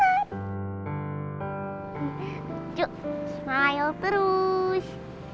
yuk smile terus